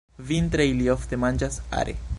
Vintre ili ofte manĝas are.